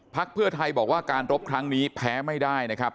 เพื่อไทยบอกว่าการรบครั้งนี้แพ้ไม่ได้นะครับ